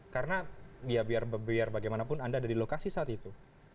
karena ya biar bagaimanapun anda ada di lokasi saat itu